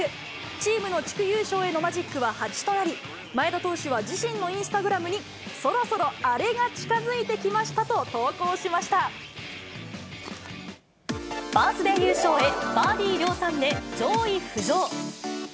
チームの地区優勝へのマジックは８となり、前田投手は自身のインスタグラムに、そろそろアレが近バースデー優勝へ、バーディー量産で上位浮上。